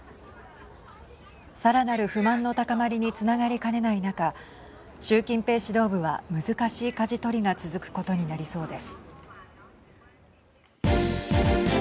さらなる不満の高まりにつながりかねない中習近平指導部は難しいかじ取りが続くことになりそうです。